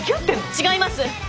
違います！